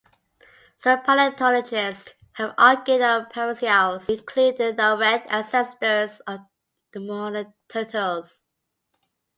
Some paleontologists have argued that pareiasaurs include the direct ancestors of modern turtles.